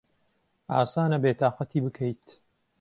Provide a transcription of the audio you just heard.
ئاسانە بێتاقەتی بکەیت.